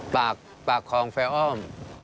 ปากคองแฟอ้อม